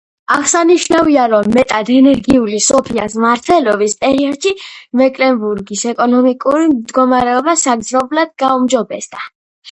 აღსანიშნავია, რომ მეტად ენერგიული სოფიას მმართველობის პერიოდში, მეკლენბურგის ეკონომიკური მდგომარეობა საგრძნობლად გაუმჯობესდა.